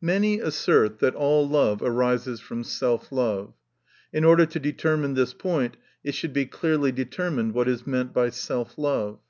Many assert, that all love arises from self love. In order to determine this point, it should be clearly ascertained what is meant by self love.